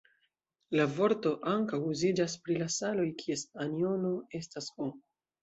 La vorto ankaŭ uziĝas pri la saloj, kies anjono estas "O".